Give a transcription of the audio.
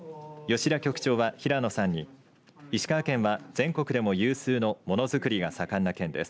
吉田局長は平野さんに石川県は、全国でも有数のものづくりが盛んな県です。